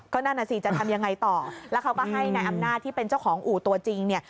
นั่นน่ะสิจะทำยังไงต่อแล้วเขาก็ให้นายอำนาจที่เป็นเจ้าของอู่ตัวจริงเนี่ย